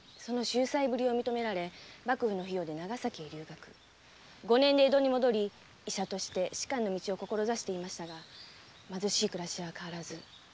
その秀才ぶりを認められ幕府の費用で長崎へ留学五年で江戸に戻り医者として仕官の道を志していましたが貧しい暮らしは変わらず。